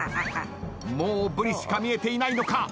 もうブリしか見えていないのか？